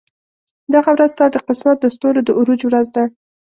دغه ورځ ستا د قسمت د ستورو د عروج ورځ ده.